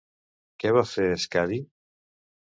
Què va fer Skadi?